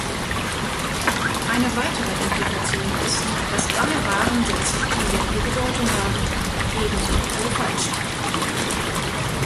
Eine weitere Implikation ist, dass alle wahren Sätze dieselbe Bedeutung haben, ebenso alle falschen.